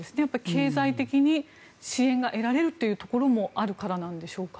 経済的に支援が得られるというところもあるからなんでしょうか。